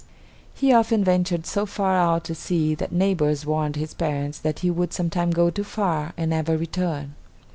He often ventured so far out to sea that neighbors warned his parents that he would sometime go too far and never return.